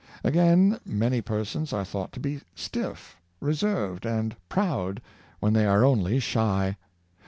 Again, many persons are thought to be stiff, reserved, and proud, when they are only shy.